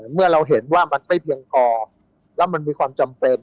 เมื่อเราเห็นว่ามันไม่เพียงพอแล้วมันมีความจำเป็น